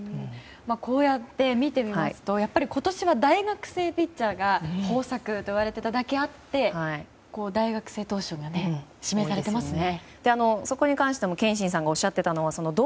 こうやって見てみますと今年は大学生ピッチャーが豊作と言われていただけあって大学生投手が指名されていますね。